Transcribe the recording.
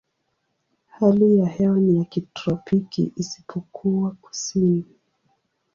Hali ya hewa ni ya kitropiki isipokuwa kusini.